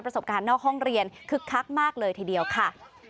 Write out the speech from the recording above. สบการณ์นอกห้องเรียนคึกคักมากเลยทีเดียวค่ะ